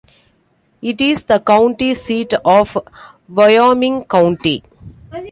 It is the county seat of Wyoming County.